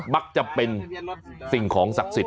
บั๊กจะเป็นความสรรค์ศักดิ์สิทธิ์